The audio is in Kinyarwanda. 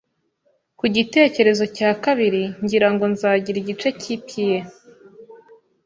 Ku gitekerezo cya kabiri, ngira ngo nzagira igice cyi pie.